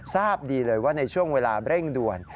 ทราบดีเลยว่าในช่วงเวลาเร่งด่วน